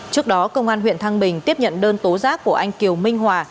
trước đó công an huyện thăng bình tiếp nhận đơn tố giác của anh kiều minh hòa